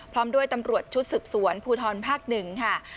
พร้อมด้วยตำรวจชุดสืบสวนภูทรภาค๑ค่ะ